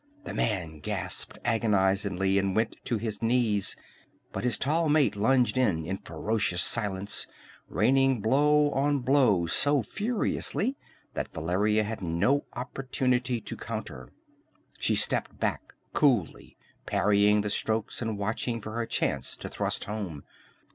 The man gasped agonizedly and went to his knees, but his tall mate lunged in, in ferocious silence, raining blow on blow so furiously that Valeria had no opportunity to counter. She stepped back coolly, parrying the strokes and watching for her chance to thrust home.